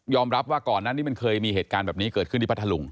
รับว่าก่อนนั้นนี่มันเคยมีเหตุการณ์แบบนี้เกิดขึ้นที่พัทธลุง